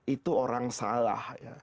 itu orang salah